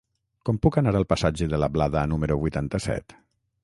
Com puc anar al passatge de la Blada número vuitanta-set?